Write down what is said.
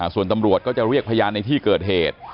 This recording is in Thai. ส่วนตำรวจก็จะเรียกพยานในที่เกิดเหตุ